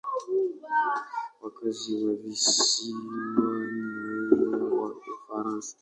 Wakazi wa visiwa ni raia wa Ufaransa.